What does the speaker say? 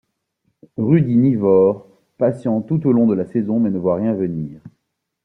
Rudy Nivore patiente tout au long de la saison mais ne voit rien venir.